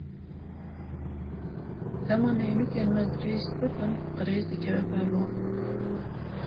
Dema neynûkên me dirêj bibin, qirêj dikeve ber wan.